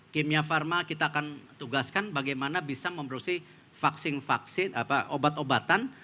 kimia pharma kita akan tugaskan bagaimana bisa memproduksi vaksin vaksin obat obatan